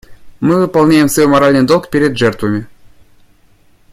Мы выполняем свой моральный долг перед жертвами.